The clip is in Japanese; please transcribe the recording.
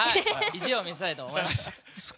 意地を見せたいと思います。